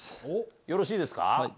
よろしいですか。